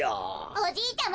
おじいちゃま。